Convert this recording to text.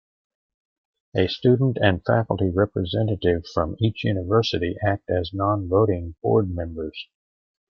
A student and faculty representative from each university act as non-voting Board members.